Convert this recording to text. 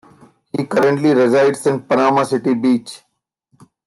He currently resides in Panama City Beach.